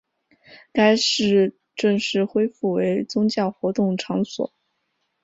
该寺正式恢复为宗教活动场所。